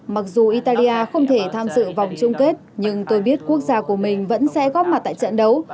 mặc dù italia không thể tham dự vòng chung kết nhưng tôi biết quốc gia của mình vẫn sẽ góp mặt tại trận đấu